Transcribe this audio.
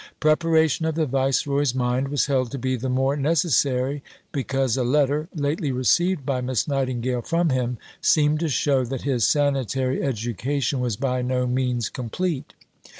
Preparation of the Viceroy's mind was held to be the more necessary because a letter, lately received by Miss Nightingale from him, seemed to show that his sanitary education was by no means complete.